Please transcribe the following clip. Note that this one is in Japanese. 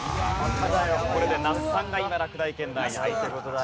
これで那須さんが今落第圏内に。なんて事だ。